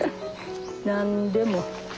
何でも。